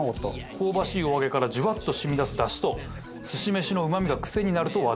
香ばしいお揚げからジュワッと染み出すダシと寿司飯のうまみが癖になると話題。